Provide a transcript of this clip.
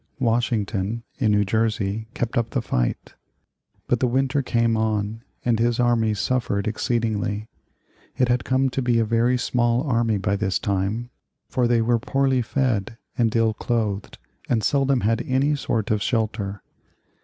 Washington in New Jersey kept up the fight, but the winter came on and his army suffered exceedingly. It had come to be a very small army by this time, for they were poorly fed and ill clothed and seldom had any sort of shelter.